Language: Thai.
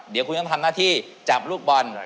เดี๋ยวคุณต้องทำหน้าที่จับลูกบอล